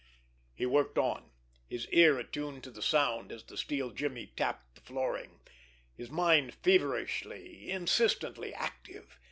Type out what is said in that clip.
He worked on, his ear attuned to the sound as the steel jimmy tapped the flooring, his mind feverishly, insistently active.